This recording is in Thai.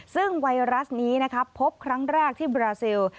ซึ่งไวรัสนี้นะครับพบครั้งแรกที่บราซิล